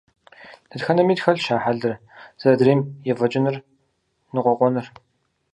Дэтхэнэми тхэлъщ а хьэлыр – зыр адрейм ефӀэкӀыныр, ныкъуэкъуэныр.